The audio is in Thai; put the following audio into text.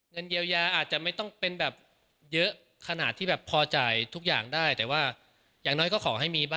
เงินเยียวยาอาจจะไม่ต้องเป็นแบบเยอะขนาดที่แบบพอจ่ายทุกอย่างได้